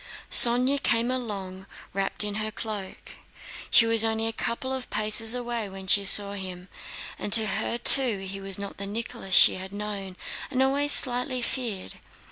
Sónya came along, wrapped in her cloak. She was only a couple of paces away when she saw him, and to her too he was not the Nicholas she had known and always slightly feared.